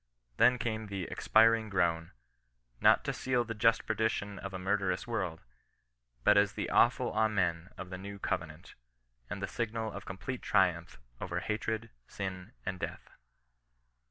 Then came the expiring groan — not to seal the just perdition of a murderous world, but as the awful ainxen of the New Covenant, and the signal of complete triumph over hatred, sin, and death